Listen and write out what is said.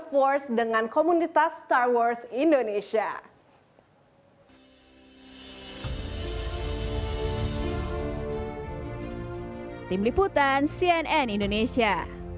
force dengan komunitas star wars indonesia tim liputan cnn indonesia